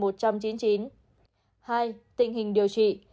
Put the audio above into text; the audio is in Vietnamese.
hai tình hình điều trị